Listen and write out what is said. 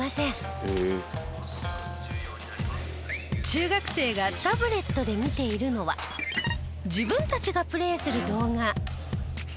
中学生がタブレットで見ているのは自分たちがプレーする動画。